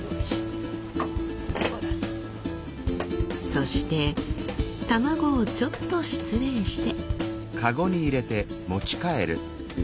そして卵をちょっと失礼して。